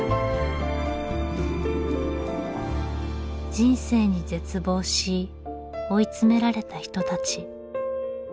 人生に絶望し追い詰められた人たち。